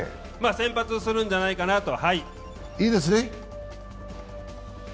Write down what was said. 先発するんじゃないかなと。